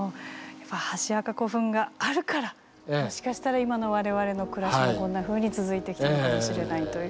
箸墓古墳があるからもしかしたら今の我々の暮らしがこんなふうに続いてきたのかもしれないという。